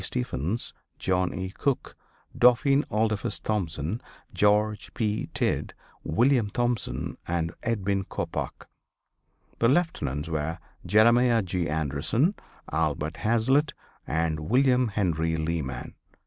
Stephens, John E. Cook, Dauphin Adolphus Thompson, George P. Tidd, William Thompson and Edwin Coppoc. The Lieutenants were Jeremiah G. Anderson, Albert Hazlitt and William Henry Leeman.